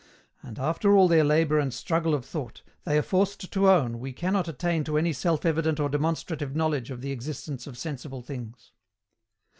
And, after all their labour and struggle of thought, they are forced to own we cannot attain to any self evident or demonstrative knowledge of the existence of sensible things.